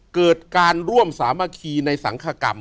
เกิดการร่วมสามัคคีในสังคกรรม